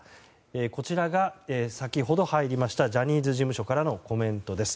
こちらが、先ほど入りましたジャニーズ事務所からのコメントです。